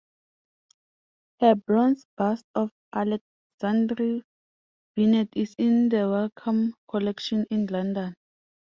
Her bronze bust of Alexandre Vinet is in the Wellcome Collection in London.